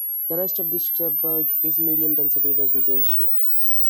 The rest of the suburb is medium-density residential.